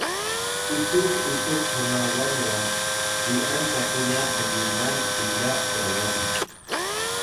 utux utux hngawan ga bi’an caku nya myiman pila yaya mu